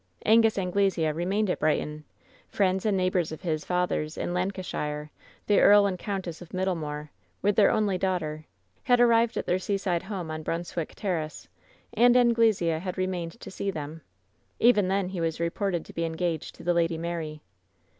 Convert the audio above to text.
"Angus Anglesea remained at Brighton. Friends and neighbors of his father's, in Lancashire— the Earl and Countess of Middlemoor, with their only daughter — had arrived at their seaside home on Brunswick Ter race, and Anglesea had remained to see them. Even then he was reported to be engaged to the Lady Mary.